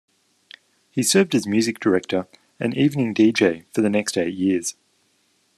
He served as music director and evening deejay for the next eight years.